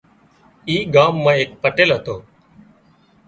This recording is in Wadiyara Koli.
اي ڳام مان ايڪ پٽيل هتو